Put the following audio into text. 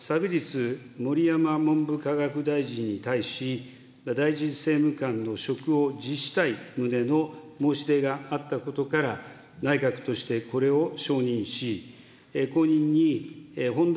山田政務官については、昨日、盛山文部科学大臣に対し、大臣政務官の職を辞したい旨の申し出があったことから、内閣としてこれを承認し、後任に、ほんだ